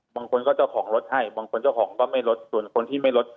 บางคนก็เจ้าของรถให้บางคนเจ้าของก็ไม่ลดส่วนคนที่ไม่ลด